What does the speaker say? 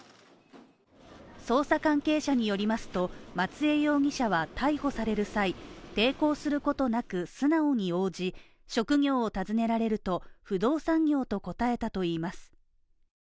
捜査関係者によりますと松江容疑者は逮捕される際、抵抗することなく素直に応じ、職業を尋ねられると、不動産業と答えたといいます。